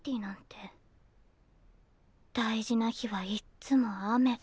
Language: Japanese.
大事な日はいっつも雨。